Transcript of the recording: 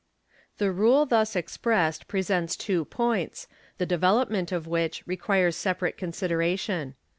^ The rule thus expressed presents two points, the development of which requires separate consideration.